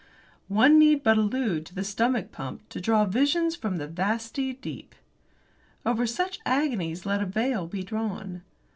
One need but allude to the stomach pump to draw up visions from the vasty deep. Over such agonies let a veil be drawn.